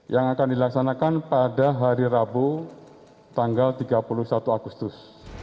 yang akan dilaksanakan pada hari rabu tanggal tiga puluh satu agustus